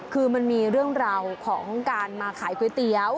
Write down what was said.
คือมันมีเรื่องราวของการมาขายก๋วยเตี๋ยว